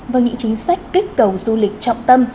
và những chính sách kích cầu du lịch trọng tâm